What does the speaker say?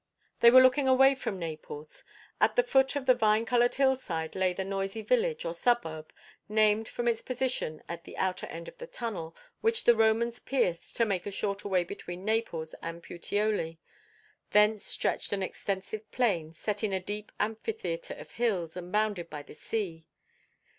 They were looking away from Naples. At the foot of the vine covered hillside lay the noisy village, or suburb, named from its position at the outer end of the tunnel which the Romans pierced to make a shorter way between Naples and Puteoli; thence stretched an extensive plain, set in a deep amphitheatre of hills, and bounded by the sea.